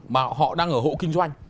mà họ đang ở hộ kinh doanh